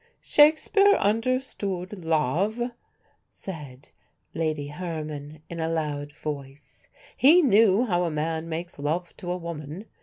'" "Shakespeare understood love," said Lady Herman, in a loud voice; "he knew how a man makes love to a woman.